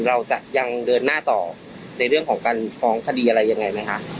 เราจะยังเดินหน้าต่อในเรื่องของการฟ้องคดีอะไรยังไงไหมคะ